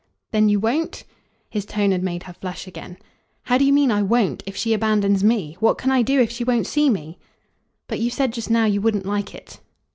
"Then you WON'T?" His tone had made her flush again. "How do you mean I 'won't,' if she abandons ME? What can I do if she won't see me?" "But you said just now you wouldn't like it."